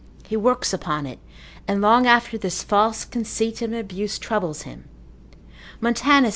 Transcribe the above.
He works upon it, and long after this false conceit of an abuse troubles him. Montanus consil.